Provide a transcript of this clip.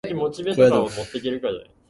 高野豆腐